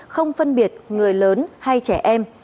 không phân biệt người lớn hay trẻ em